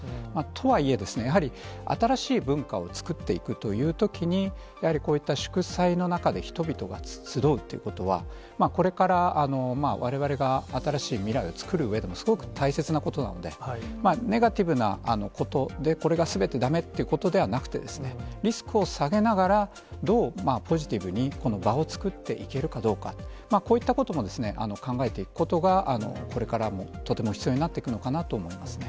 とはいえですね、やはり新しい文化を作っていくというときに、やはりこういった祝祭の中で、人々が集うってことは、これから、われわれが新しい未来を作るうえでも、すごく大切なことなので、ネガティブなことで、これがすべてだめってことではなくてですね、リスクを下げながら、どうポジティブにこの場を作っていけるかどうか、こういったことも考えていくことが、これからもとても必要になってくるのかなと思いますね。